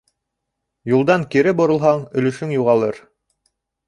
Юлдан кире боролһаң, өлөшөң юғалыр.